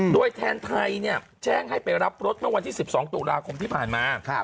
โดยแทนไทยแจ้งให้ไปรับรถเมื่อวันที่๑๒ตุลาคมที่ผ่านมา